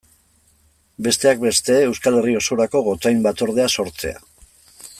Besteak beste Euskal Herri osorako gotzain batzordea sortzea.